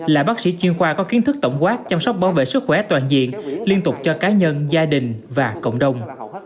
là bác sĩ chuyên khoa có kiến thức tổng quát chăm sóc bảo vệ sức khỏe toàn diện liên tục cho cá nhân gia đình và cộng đồng